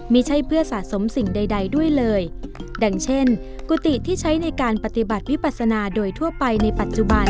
ไม่ใช่เพื่อสะสมสิ่งใดใดด้วยเลยดังเช่นกุฏิที่ใช้ในการปฏิบัติวิปัสนาโดยทั่วไปในปัจจุบัน